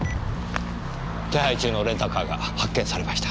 手配中のレンタカーが発見されました。